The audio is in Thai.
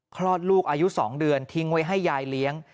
คลอดลูกอายุ๒เดือนทิ้งไว้ให้ยายเลี้ยง